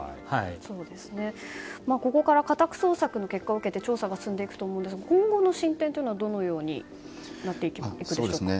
ここから家宅捜索の結果を受け調査が進んでいくと思うんですが今後の進展は、どのようになっていくんでしょうか。